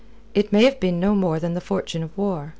It may have been no more than the fortune of war.